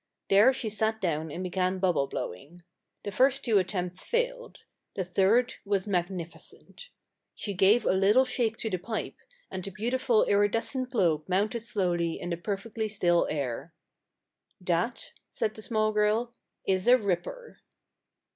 There she sat down and began bubble blowing. The first two attempts failed. The third was magnificent. She gave a little shake to the pipe, and the beautiful iridescent globe mounted slowly in the perfectly still air. "That," said the small girl, "is a ripper."